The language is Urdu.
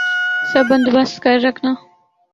سب بندوبست کر رکھنا